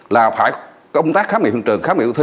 là phải công tác khám nghiệp trường khám nghiệp thi